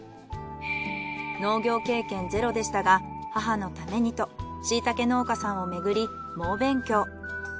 農業経験ゼロでしたが母のためにとシイタケ農家さんをめぐり猛勉強。